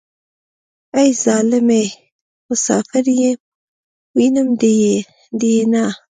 ای ظالمې مسافر يم وينم دې نه.